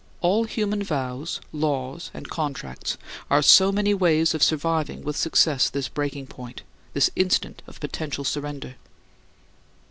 All human vows, laws, and contracts are so many ways of surviving with success this breaking point, this instant of potential surrender.